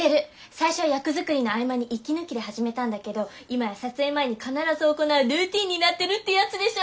最初は役作りの合間に息抜きで始めたんだけど今や撮影前に必ず行うルーティーンになってるってやつでしょ？